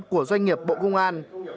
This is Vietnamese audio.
của doanh nghiệp bộ công an